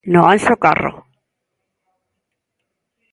No Anxo Carro.